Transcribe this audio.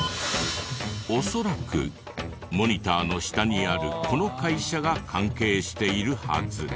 恐らくモニターの下にあるこの会社が関係しているはず。